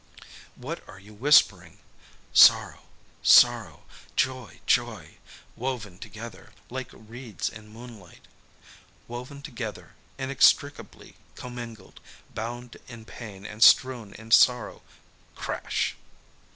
What are you whispering? Sorrow, sorrow. Joy, joy. Woven together, like reeds in moonlight. Woven together, inextricably commingled, bound in pain and strewn in sorrow crash!